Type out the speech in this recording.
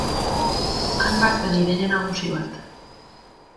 Han bazen ideia nagusi bat.